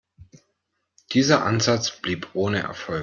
Dieser Ansatz blieb ohne Erfolg.